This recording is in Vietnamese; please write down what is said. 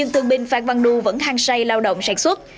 thương binh phan văn đu vẫn hăng say lao động sản xuất